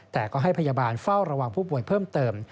แต่ก็ให้พยาบาลเฝ้าระวังผู้ป่วยเพิ่มเติม